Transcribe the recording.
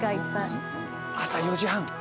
朝４時半。